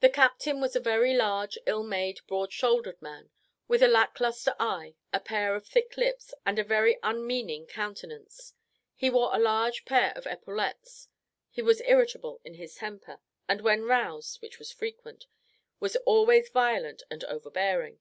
The captain was a very large, ill made, broad shouldered man, with a lack lustre eye, a pair of thick lips, and a very unmeaning countenance. He wore a large pair of epaulettes; he was irritable in his temper; and when roused, which was frequent, was always violent and overbearing.